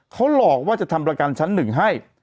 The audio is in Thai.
เขาหลอกว่าจะทำประกันชั้นหนึ่งให้